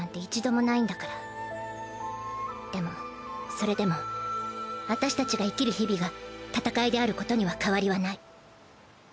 それでも私たちが生きる日々が戦いであることには変わりはない。